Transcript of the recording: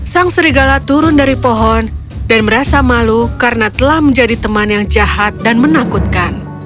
sang serigala turun dari pohon dan merasa malu karena telah menjadi teman yang jahat dan menakutkan